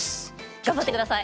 頑張って下さい！